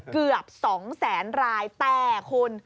เกือบ๒แสนรายแต่คุณ